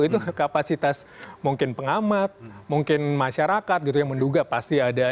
itu kapasitas mungkin pengamat mungkin masyarakat gitu yang menduga pasti ada